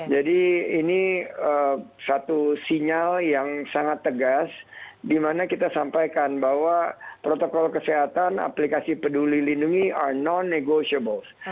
jadi ini satu sinyal yang sangat tegas dimana kita sampaikan bahwa protokol kesehatan aplikasi peduli lindungi are non negotiable